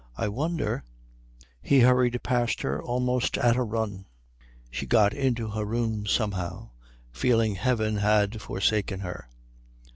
I wonder " He hurried past her almost at a run. She got into her room somehow, feeling Heaven had forsaken her.